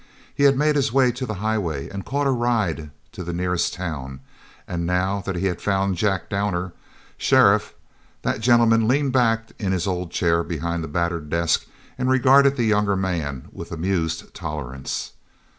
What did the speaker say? He had made his way to the highway and caught a ride to the nearest town, and now that he had found Jack Downer, sheriff, that gentleman leaned back in his old chair behind the battered desk and regarded the younger man with amused tolerance.